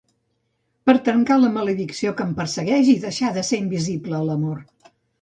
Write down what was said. Per trencar la maledicció que em persegueix i deixar de ser invisible a l'amor.